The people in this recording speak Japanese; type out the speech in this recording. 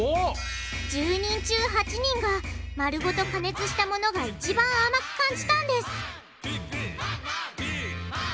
１０人中８人が丸ごと加熱したものが一番甘く感じたんです！